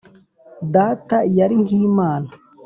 data yari nk' imana,